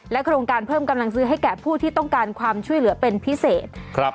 โครงการเพิ่มกำลังซื้อให้แก่ผู้ที่ต้องการความช่วยเหลือเป็นพิเศษครับ